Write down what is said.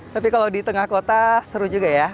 tapi kalau di tengah kota seru juga ya